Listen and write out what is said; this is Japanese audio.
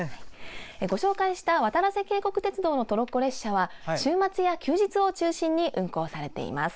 ご紹介したわたらせ渓谷鐵道のトロッコ列車は週末や休日を中心に運行されています。